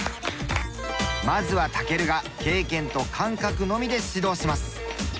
まずはたけるが経験と感覚のみで指導します。